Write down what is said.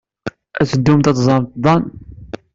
Ad teddumt ad teẓremt Dan.